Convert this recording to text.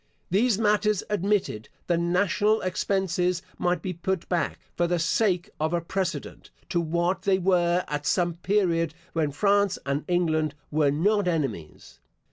These matters admitted, the national expenses might be put back, for the sake of a precedent, to what they were at some period when France and England were not enemies.